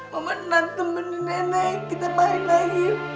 mama nanti bertenang nenek kita main lagi